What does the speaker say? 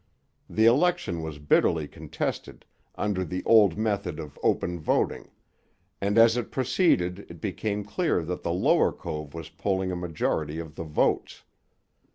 The election was bitterly contested, under the old method of open voting; and as it proceeded it became clear that the Lower Cove was polling a majority of the votes.